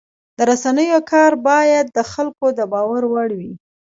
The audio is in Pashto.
د رسنیو کار باید د خلکو د باور وړ وي.